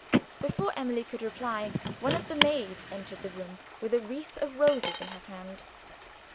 Before Emily could reply, one of the maids entered the room with a wreath of roses in her hand.